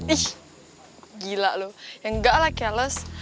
ih gila lo ya nggak lah kiales